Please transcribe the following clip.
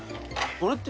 これって。